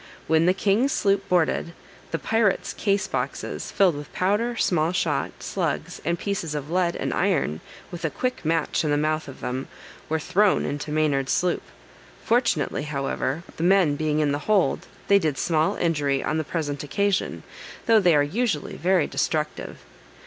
When the king's sloop boarded, the pirate's case boxes, filled with powder, small shot, slugs, and pieces of lead and iron, with a quick match in the mouth of them, were thrown into Maynard's sloop. Fortunately, however, the men being in the hold, they did small injury on the present occasion, though they are usually very destructive.